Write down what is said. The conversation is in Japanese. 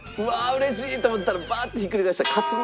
嬉しい！と思ったらバッとひっくり返したら「克典」。